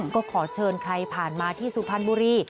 ก็ขอเชิญใครผ่านมาที่สุพรรณบุรี